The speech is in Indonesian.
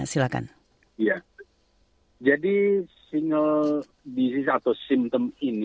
jadi single disease atau symptom ini